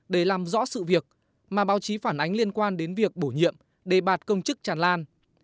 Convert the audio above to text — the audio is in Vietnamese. để làm rõ sự việc mà báo chí phản ánh liên quan đến việc bổ nhiệm đề bạt công chức tràn lan